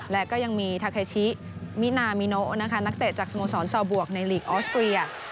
และก็ยังมีทาเคชิมินามิโนนะคะนักเตะจากสโมสรซอบวกในลีกออสเตรีย